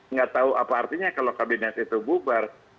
nggak tahu apa artinya kalau kabinet itu bubar